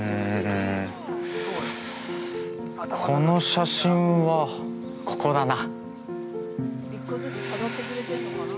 この写真は、ここだな。